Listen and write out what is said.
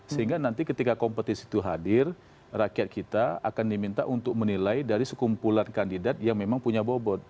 sehingga nanti ketika kompetisi itu hadir rakyat kita akan diminta untuk menilai dari sekumpulan kandidat yang memang punya bobot